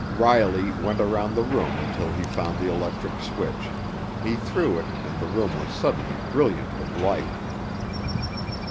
Riley went around the room until he found the electric switch; he threw it, and the room was suddenly brilliant with light.